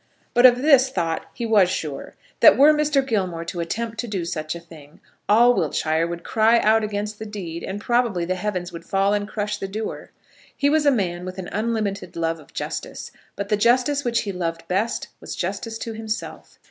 But of this he thought he was sure, that were Mr. Gilmore to attempt to do such a thing, all Wiltshire would cry out against the deed, and probably the heavens would fall and crush the doer. He was a man with an unlimited love of justice; but the justice which he loved best was justice to himself.